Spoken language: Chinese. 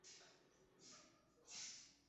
这是非常流行。